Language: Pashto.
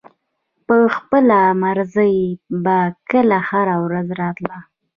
پۀ خپله مرضۍ به کله هره ورځ راتۀ